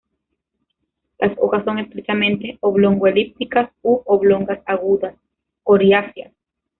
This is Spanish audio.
Las hojas son estrechamente oblongo-elípticas u oblongas, agudas, coriáceas.